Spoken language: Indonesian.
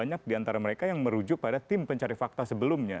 banyak diantara mereka yang merujuk pada tim pencari fakta sebelumnya